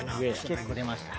結構出ました。